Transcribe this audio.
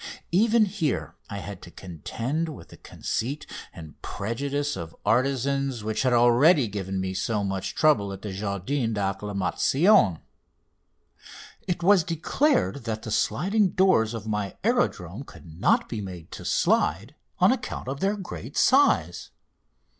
Even here I had to contend with the conceit and prejudice of artisans which had already given me so much trouble at the Jardin d'Acclimatation. It was declared that the sliding doors of my aerodrome could not be made to slide on account of their great size.